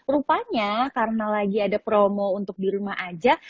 rupanya karena lagi ada promo untuk di rumah aja